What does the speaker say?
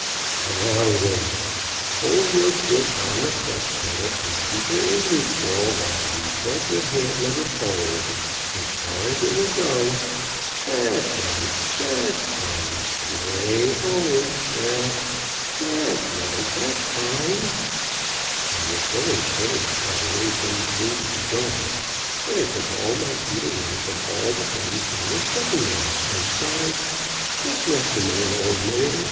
"Now, then: hold your foot on the clutch pedal and keep her in neutral, while you shove your hand lever forward as far as it will go. That's right!... That's fine ... 'way forward ... now ... that's right ... that's fine!" I was so encouraged by the way things seemed to be going that I took all my feet away from all the things they were stepping on, and sighed: "Let's rest a minute, old man.